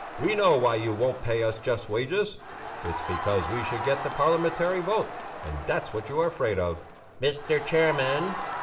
We know why you won't pay us just wages; it's because we should get the Parliamentary vote, and that's what you are afraid of...." "Mr. Chairman!"